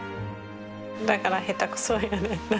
だから下手くそやねん。